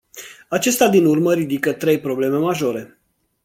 Aceasta din urmă ridică trei probleme majore.